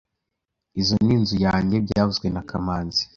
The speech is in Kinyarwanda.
Izoi ni inzu yanjye byavuzwe na kamanzi